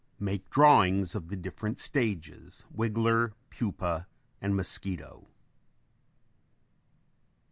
Make drawings of the different stages, wiggler, pupa and mosquito.